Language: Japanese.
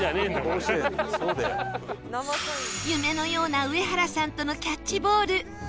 夢のような上原さんとのキャッチボール